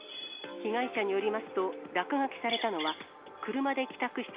被害者によりますと、落書きされたのは、車で帰宅した